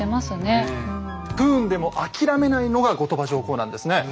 不運でも諦めないのが後鳥羽上皇なんですね。